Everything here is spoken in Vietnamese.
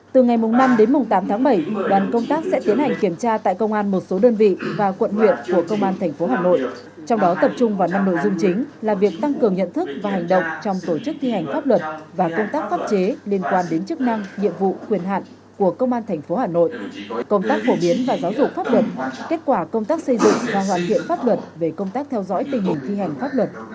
từ ngày năm đến tám tháng bảy đoàn công tác sẽ tiến hành kiểm tra tại công an một số đơn vị và quận nguyện của công an thành phố hà nội trong đó tập trung vào năm nội dung chính là việc tăng cường nhận thức và hành động trong tổ chức thi hành pháp luật và công tác pháp chế liên quan đến chức năng nhiệm vụ quyền hạn của công an thành phố hà nội công tác phổ biến và giáo dục pháp luật kết quả công tác xây dựng và hoàn thiện pháp luật về công tác theo dõi tình hình thi hành pháp luật